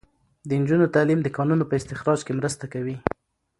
د نجونو تعلیم د کانونو په استخراج کې مرسته کوي.